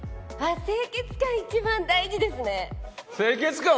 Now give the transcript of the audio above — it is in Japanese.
清潔感一番大事ですね。